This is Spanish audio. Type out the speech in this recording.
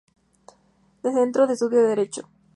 Centro de Estudios de Derecho